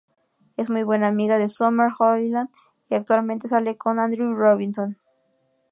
Es muy buena amiga de Summer Hoyland y actualmente sale con Andrew Robinson.